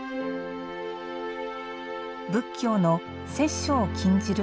仏教の、殺生を禁じる